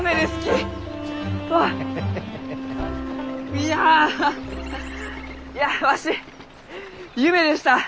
いやいやわし夢でした。